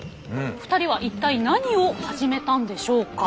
２人は一体何を始めたんでしょうか？